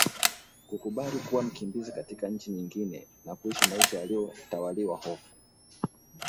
Kukubali kuwa mkimbizi katika nchi nyingine na kuishi maisha yaliyo tawaliwa hofu